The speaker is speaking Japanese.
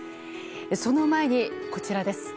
その前に、こちらです。